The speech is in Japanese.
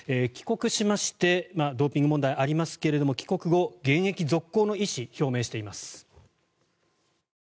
帰国しましてドーピング問題ありますけれども帰国後、現役続行の意思を表明しています。